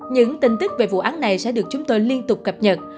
những tin tức về vụ án này sẽ được chúng tôi liên tục cập nhật